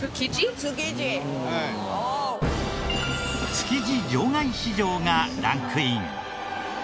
築地場外市場がランクイン。